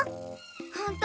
ほんと？